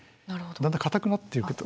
だんだん固くなっていくと。